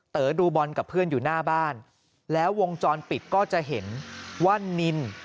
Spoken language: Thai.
อดูบอลกับเพื่อนอยู่หน้าบ้านแล้ววงจรปิดก็จะเห็นว่านิน